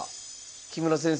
木村先生